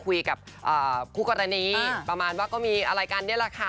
คุยกับครูก่อนในประมาณว่าง็มีอะไรกันล่ะค่ะ